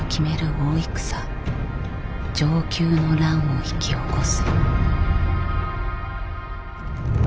大戦承久の乱を引き起こす。